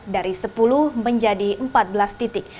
dari sepuluh menjadi empat belas titik